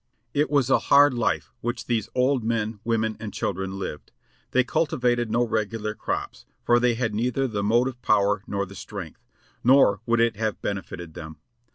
It was a hard life which these old men, women and children lived. They cultivated no regular crops, for they had neither the motive power nor the strength ; nor would it have benefited them.